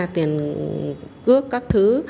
tiền cước các thứ